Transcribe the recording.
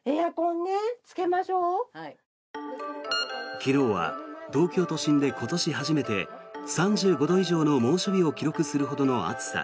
昨日は東京都心で今年初めて３５度以上の猛暑日を記録するほどの暑さ。